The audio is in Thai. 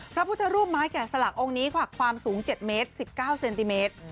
พระพุทธรูปไม้แก่สลักองค์นี้ค่ะความสูง๗เมตร๑๙เซนติเมตร